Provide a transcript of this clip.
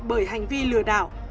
bởi hành vi lừa đảo